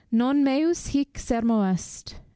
"Non meus hic sermo est."